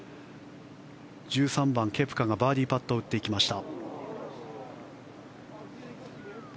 １３番、ケプカがバーディーパットを打っていきました。